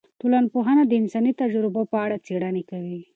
ټولنپوهنه د انساني تجربو په اړه څیړنې کوي.